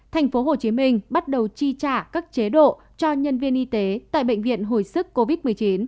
tp hcm bắt đầu chi trả các chế độ cho nhân viên y tế tại bệnh viện hồi sức covid một mươi chín